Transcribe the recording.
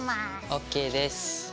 ＯＫです。